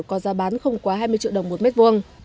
có giá bán không quá hai mươi triệu đồng một mét vuông